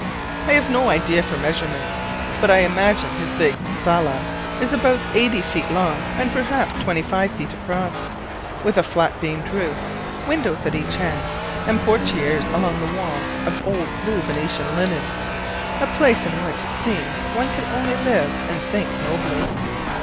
I have no idea for measurements, but I imagine his big sala is about eighty feet long and perhaps twenty five feet across, with a flat beamed roof, windows at each end, and portières along the walls of old blue Venetian linen: a place in which it seems one could only live and think nobly.